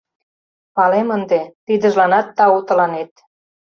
— Палем ынде, тидыжланат тау тыланет.